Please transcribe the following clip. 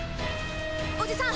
おじさん！